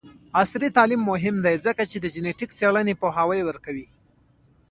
عصري تعلیم مهم دی ځکه چې د جینیټک څیړنې پوهاوی ورکوي.